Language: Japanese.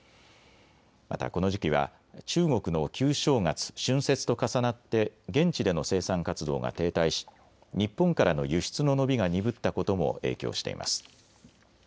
またこの時期は中国の旧正月、春節と重なって現地での生産活動が停滞し日本からの輸出の伸びが鈍ったことも影響しています。